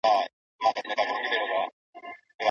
آیا قالبي حکمونه د ټولنې لپاره ګټور دي؟